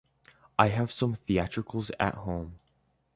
I have some theatricals at home.